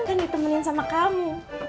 kan ditemenin sama kamu